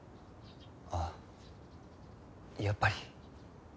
ああやっぱり。